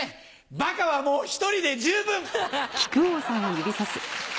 バカはもう１人で十分！